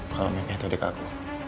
kalau mereka itu adik aku